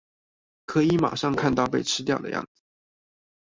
可以馬上看到被吃掉的樣子